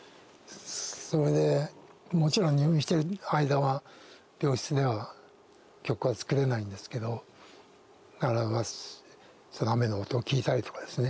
それでもちろん入院してる間は病室では曲は作れないんですけど雨の音を聞いたりとかですね